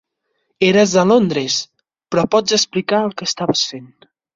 Eres a Londres, però pots explicar el que estaves fent.